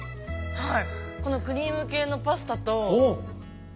はい。